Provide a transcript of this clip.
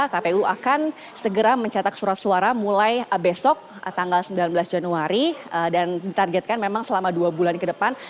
kpu akan segera mencetak surat suara mulai besok tanggal sembilan belas januari dan ditargetkan memang selama dua bulan ke depan